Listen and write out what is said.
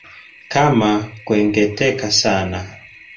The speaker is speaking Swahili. Kama kwekweteka sana